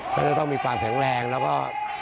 ก็จะต้องมีความแข็งแรงแล้วก็